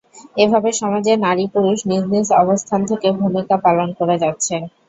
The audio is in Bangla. এভাবে সমাজে নারী-পুরুষ নিজ নিজ অবস্থান থেকে ভূমিকা পালন করে যাচ্ছেন।